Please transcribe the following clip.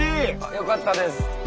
よかったです。